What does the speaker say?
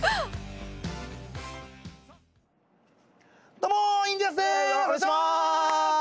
どうも、インディアンスです。